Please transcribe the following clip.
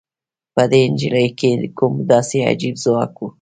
په دې نجلۍ کې کوم داسې عجيب ځواک و؟